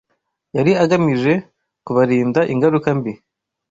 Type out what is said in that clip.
yari agamije kubarinda ingaruka mbi